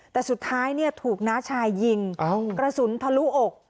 แต่สุดท้ายถูกน้าชายยิงกระสุนทะลุอก